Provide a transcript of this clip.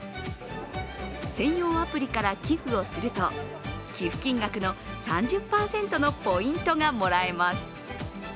専用アプリから寄付をすると、寄付金額の３０％のポイントがもらえます。